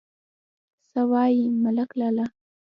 _څه وايې، ملک لالا!